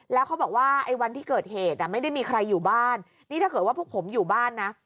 แล้วเขาบอกว่าไอ้วันที่เกิดเหตุไม่ได้มีใครอยู่บ้านนี่ถ้าเกิดว่าพวกผมอยู่บ้านนะ